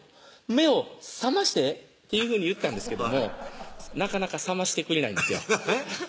「目を覚まして」っていうふうに言ったんですけどもなかなか覚ましてくれないんですよ